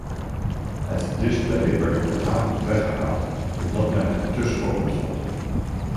Het display werd op een avond weggehaald omdat men het te schokkend vond.